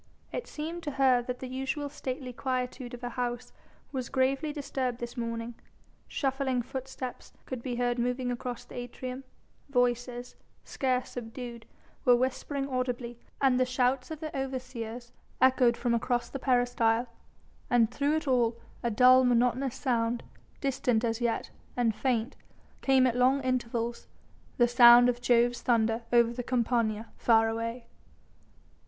It seemed to her that the usual stately quietude of her house was gravely disturbed this morning, shuffling footsteps could be heard moving across the atrium, voices scarce subdued were whispering audibly, and the shouts of the overseers echoed from across the peristyle, and through it all a dull, monotonous sound, distant as yet and faint, came at long intervals, the sound of Jove's thunder over the Campania far away.